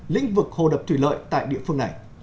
lĩnh vực hồ đập thủy lợi tại địa phương này